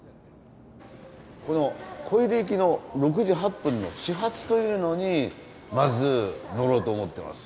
この小出行きの６時８分の始発というのにまず乗ろうと思ってます。